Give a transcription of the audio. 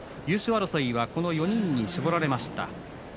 優勝争いはこの４人に絞られました。